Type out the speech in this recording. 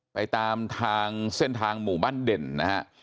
ไปตามทางเส้นทางหมู่บ้านเด่นนะฮะ